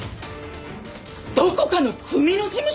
どこかの組の事務所ってこと！？